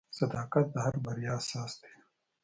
• صداقت د هر بریا اساس دی.